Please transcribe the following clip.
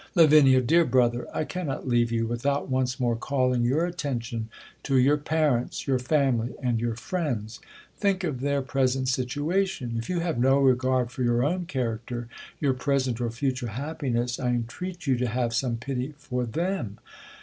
Lav, Dear brother, I cannot leave you, without once more calling your attention to your parents, your family, and your friends. Think of their present situ ation; If you have no regard for your own character, your present, or future happiness, I entreat you to have some pity for them.